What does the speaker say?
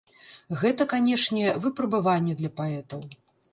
Гэта, канешне, выпрабаванне для паэтаў.